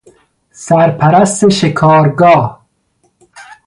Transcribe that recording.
سرپرست شکارگاه